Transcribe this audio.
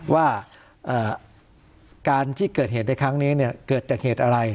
ว่าการที่เกิดเหตุในครั้งนี้เกิดจากเหตุอะไร